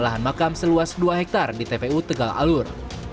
lahan makam seluas dua hektare di tpu tegal alur